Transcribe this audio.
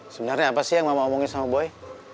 sebenarnya apa sih yang mama omongin sama boy